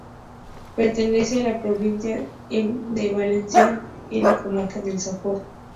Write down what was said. Perteneciente a la provincia de Valencia en la comarca de la Safor.